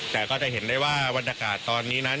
แต่ก็จะเห็นได้ว่าวันดักการณ์ตอนนี้นั้น